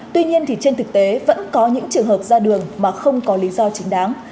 tuy nhiên thì trên thực tế vẫn có những trường hợp ra đường mà không có lý do chính đáng